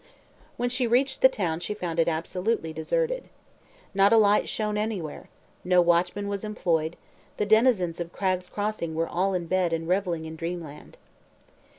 When she reached the town she found it absolutely deserted. Not a light shone anywhere; no watchman was employed; the denizens of Cragg's Crossing were all in bed and reveling in dreamland.